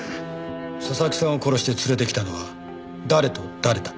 佐々木さんを殺して連れて来たのは誰と誰だ？